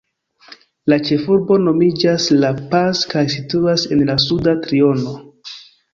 La ĉefurbo nomiĝas La Paz kaj situas en la suda triono.